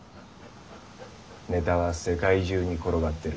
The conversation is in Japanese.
ネタは世界中に転がってる。